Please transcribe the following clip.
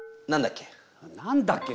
何だっけ？